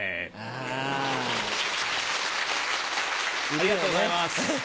ありがとうございます。